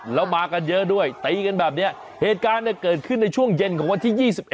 แล้วมากันเยอะด้วยตีกันแบบนี้เหตุการณ์เนี่ยเกิดขึ้นในช่วงเย็นของวันที่๒๑